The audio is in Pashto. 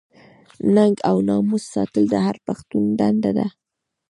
ننګ او ناموس ساتل د هر پښتون دنده ده.